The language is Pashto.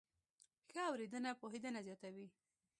ښه اورېدنه پوهېدنه زیاتوي.